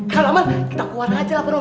kalau aman kita keluar aja lah penuh